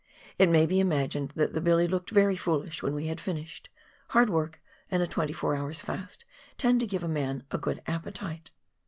It may be imagined that the billy looked very foolish when we had finished ; hard work and a twenty four hours' fast tend to give a man a good appetite.